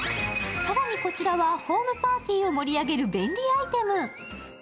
更にこちらはホームパーティーを盛り上げる便利アイテム。